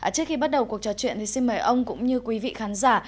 trước khi bắt đầu cuộc trò chuyện thì xin mời ông cũng như quý vị khán giả